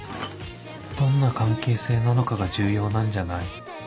どんな関係性なのかが重要なんじゃない